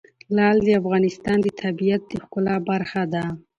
لعل د افغانستان د طبیعت د ښکلا برخه ده.